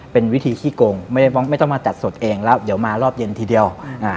เป็นวิธีขี้โกงไม่ต้องมาตัดสดเองแล้วเดี๋ยวมารอบเย็นทีเดียวอ่า